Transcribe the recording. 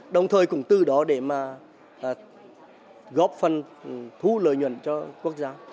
đồng thời cũng tư đỏ để mà góp phần thu lợi nhuận cho quốc gia